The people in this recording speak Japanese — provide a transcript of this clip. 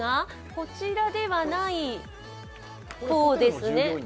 こちらではない方ですね。